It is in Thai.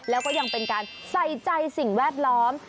แล้วก็ยังเป็นการใส่ใจสิ่งแวดล้อม